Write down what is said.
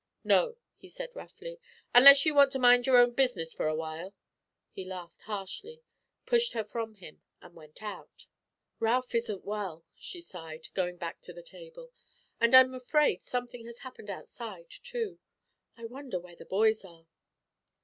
"No," he said roughly, "unless you want to mind your own business for a while!" He laughed harshly, pushed her from him, and went out. "Ralph isn't well," she sighed, going back to the table; "and I'm afraid something has happened outside, too. I wonder where the boys are?"